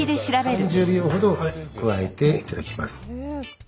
３０秒ほどくわえていただきます。